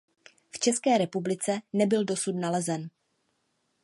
V České republice nebyl dosud nalezen.